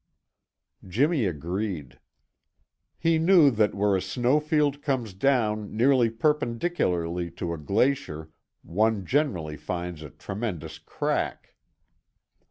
Jimmy agreed. He knew that where a snow field comes down nearly perpendicularly to a glacier one generally finds a tremendous crack.